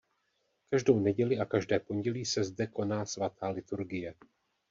Každou neděli a každé pondělí se zde koná svatá liturgie.